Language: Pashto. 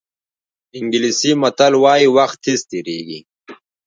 انګلیسي متل وایي وخت تېز تېرېږي.